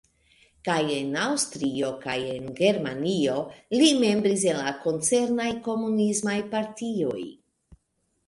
Kaj en Aŭstrio kaj en Germanio li membris en la koncernaj Komunismaj Partioj.